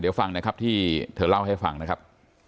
เดี๋ยวฟังนะครับที่เธอเล่าให้ฟังนะครับ